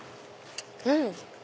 うん！